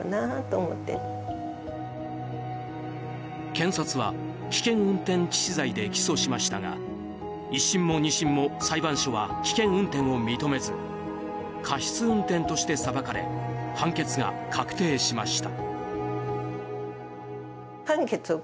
検察は危険運転致死罪で起訴しましたが１審も２審も裁判所は危険運転を認めず過失運転として裁かれ判決が確定しました。